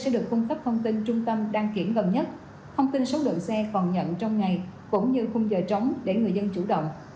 sẽ được cung cấp thông tin trung tâm đăng kiểm gần nhất thông tin số lượng xe phòng nhận trong ngày cũng như khung giờ trống để người dân chủ động